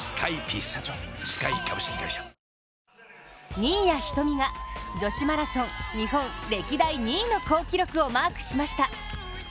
新谷仁美が女子マラソン日本歴代２位の好記録をマークしました。